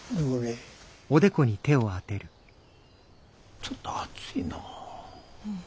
ちょっと熱いなぁ。